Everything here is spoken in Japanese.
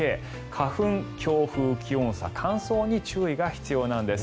花粉、強風、気温差、乾燥に注意が必要なんです。